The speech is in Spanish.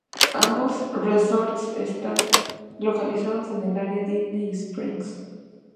Ambos resorts están localizados en el área Disney Springs.